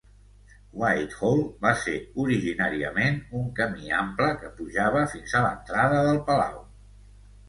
Whitehall va ser originàriament un camí ample que pujava fins a l'entrada del Palau.